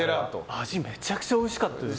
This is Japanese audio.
味めちゃくちゃおいしかったです。